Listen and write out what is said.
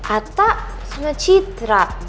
ata sama citra